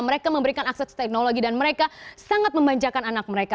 mereka memberikan akses teknologi dan mereka sangat membanjakan anak mereka